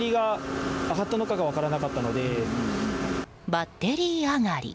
バッテリー上がり。